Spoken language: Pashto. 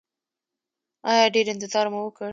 ایا ډیر انتظار مو وکړ؟